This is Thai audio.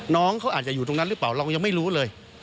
น้องเขาอาจจะอยู่ตรงนั้นหรือเปล่าเรายังไม่รู้เลย